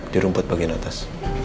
di rumput bagian atas